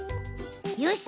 よし！